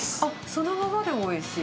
そのままでおいしい？